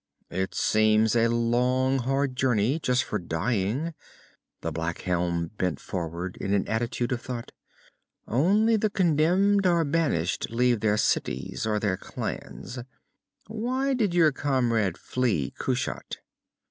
"It seems a long, hard journey, just for dying." The black helm bent forward, in an attitude of thought. "Only the condemned or banished leave their cities, or their clans. Why did your comrade flee Kushat?"